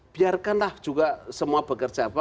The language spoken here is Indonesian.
biarkanlah juga semua bekerja